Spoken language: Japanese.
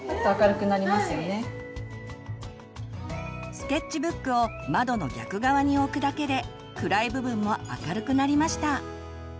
スケッチブックを窓の逆側に置くだけで暗い部分も明るくなりました。